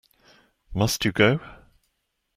Must you go?